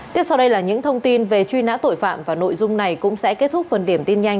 tiếp sau đây là những thông tin về truy nã tội phạm và nội dung này cũng sẽ kết thúc phần điểm tin nhanh